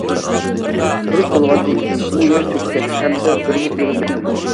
كۆرۈپ بولغاندىن كېيىن ئۇ ياش تۆككەن ھەمدە بىرمۇ ئېغىز گەپ قىلمىغان.